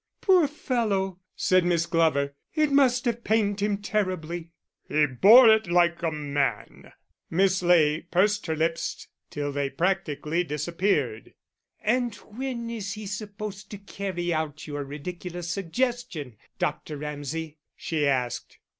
"Poor fellow!" said Miss Glover, "it must have pained him terribly." "He bore it like a man." Miss Ley pursed her lips till they practically disappeared. "And when is he supposed to carry out your ridiculous suggestion, Dr. Ramsay?" she asked.